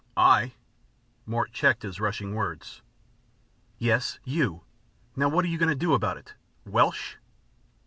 "I " Mort checked his rushing words. "Yes, you! Now, what are you going to do about it? Welsh?"